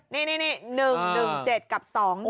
นี่๑๗กับ๒